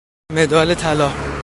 مدال طلا